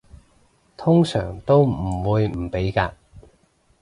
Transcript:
通常都唔會唔俾嘅